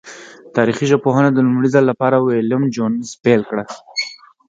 تاریخي ژبپوهنه د لومړی ځل له پاره ویلم جونز پیل کړه.